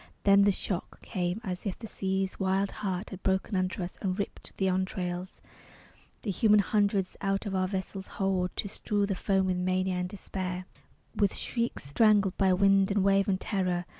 Then the shock came, as if the sea's wild heart Had broken under us, and ripped the entrails, The human hundreds, out of our vessel's hold, To strew the foam with mania and despair, With shrieks strangled by wind and wave and terror.